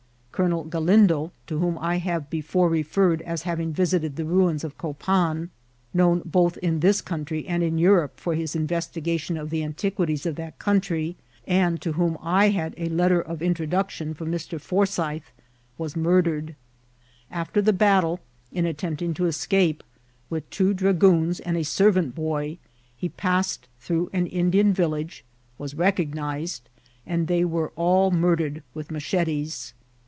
Colonel OaUndo, to whom I have before re* fetred as having visited the ruins of Copan, known both in ttiis country and in Europe for his investigation of the antiquities of that country, and to whom I had a let* ler of introduction firom Mr. Forsyth, vras murder ed« After the battle, in attempting to escape, vritk two dnt» goow and a servant boy, he passed through an Indiaa tiUsige, WW recognised, and they were all murdered with maehetiss.